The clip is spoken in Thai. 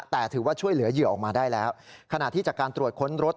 แต่ถือว่าช่วยเหลือเหยื่อออกมาได้แล้วขณะที่จากการตรวจค้นรถ